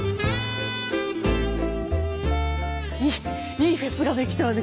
いいフェスができたわね